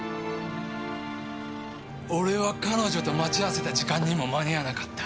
俺は彼女と待ち合わせた時間にも間に合わなかった。